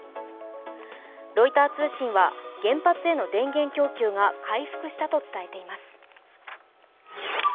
ロイター通信は原発への電源供給が回復したと伝えています。